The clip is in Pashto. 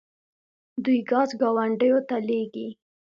دوی ګاز ګاونډیو ته لیږي.